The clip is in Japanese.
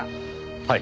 はい。